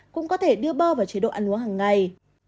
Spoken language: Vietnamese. cũng có thể đưa bơ vào chế độ ăn uống hằng ngày